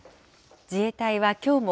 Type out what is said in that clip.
自衛隊はきょうも、